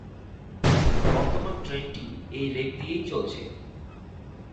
বর্তমান ট্রেনটি এই রেক নিয়েই চলছে।